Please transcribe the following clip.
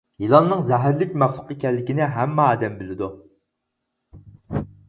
يىلاننىڭ زەھەرلىك مەخلۇق ئىكەنلىكىنى ھەممە ئادەم بىلىدۇ.